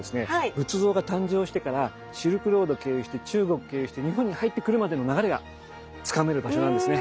仏像が誕生してからシルクロード経由して中国経由して日本に入ってくるまでの流れがつかめる場所なんですね。